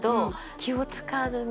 気を使わずに。